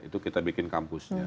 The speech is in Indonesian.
itu kita bikin kampusnya